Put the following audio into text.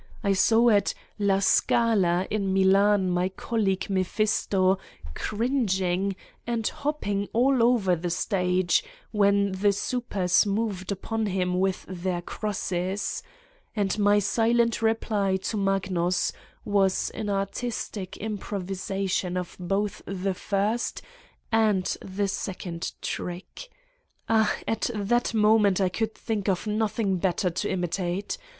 I saw at "La Scala" in Milan my colleague Mephisto cringing 119 Satan's Diary and hopping all over the stage when the supers moved upon him with their crosses and my silent reply to Magnus was an artistic im provisation of both the first and the second trick: ah, at that moment I could think of nothing better to imitate